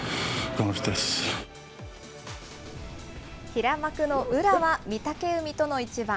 平幕の宇良は御嶽海との一番。